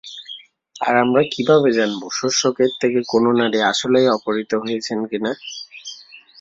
আর আমরা কিভাবে জানবো শস্যক্ষেত থেকে কোন নারী আসলেই অপহৃত হয়েছিল কিনা?